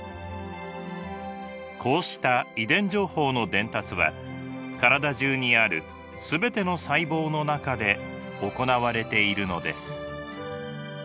こうした遺伝情報の伝達は体中にある全ての細胞の中で行われているのです。